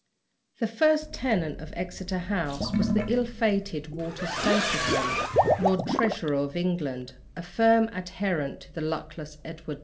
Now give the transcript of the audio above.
The first tenant of Exeter House was the ill fated Walter Stapleton, Lord Treasurer of England, a firm adherent to the luckless Edward II.